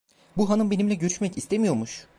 Bu hanım benimle görüşmek istemiyormuş!